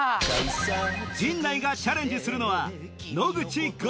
陣内がチャレンジするのは